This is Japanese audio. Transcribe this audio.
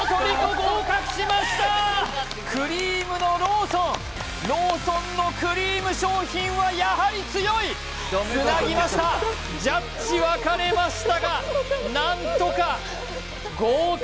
合格しましたクリームのローソンローソンのクリーム商品はやはり強いつなぎましたジャッジ分かれましたが何とか合格